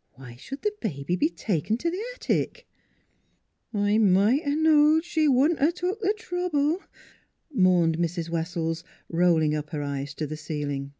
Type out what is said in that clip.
" Why should the baby be taken to the attic? "" I might 'a' knowed she wouldn't 'a' took the trouble," mourned Mrs. Wessells, rolling up her 145 146 NEIGHBORS eyes to the ceiling.